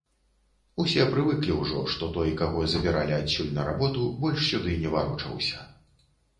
Усе прывыклі ўжо, што той, каго забіралі адсюль на работу, больш сюды не варочаўся.